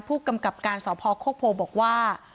ผู้กำกับการสพโคกโพบอกว่า